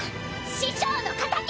師匠の仇！